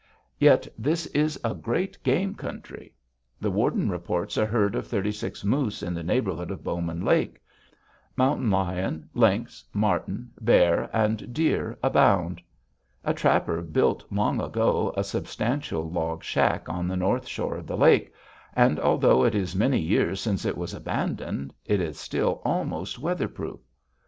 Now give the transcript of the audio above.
Yet this is a great game country. The warden reports a herd of thirty six moose in the neighborhood of Bowman Lake; mountain lion, lynx, marten, bear, and deer abound. A trapper built long ago a substantial log shack on the north shore of the lake, and although it is many years since it was abandoned, it is still almost weather proof.